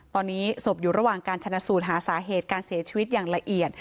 ตอนนี้ศพอยู่ระหว่างการชนะสูตรหาสาเหตุการเสียชีวิตอย่างละเอียด